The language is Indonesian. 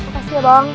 makasih ya bang